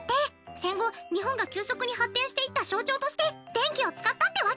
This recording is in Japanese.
戦後日本が急速に発展していった象徴として電気を使ったってわけ。